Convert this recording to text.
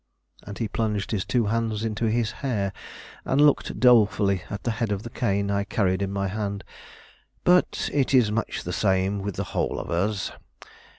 And he plunged his two hands into his hair, and looked dolefully at the head of the cane I carried in my hand. "But it is much the same with the whole of us.